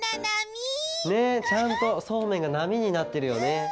ねっちゃんとそうめんがなみになってるよね。